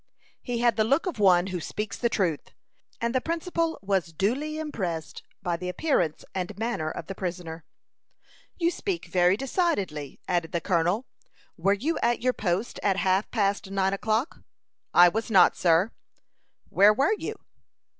He had the look of one who speaks the truth, and the principal was duly impressed by the appearance and manner of the prisoner. "You speak very decidedly," added the colonel. "Were you at your post at half past nine o'clock?" "I was not, sir." "Where were you?"